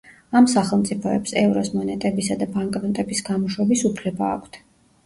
ამ სახელმწიფოებს ევროს მონეტებისა და ბანკნოტების გამოშვების უფლება აქვთ.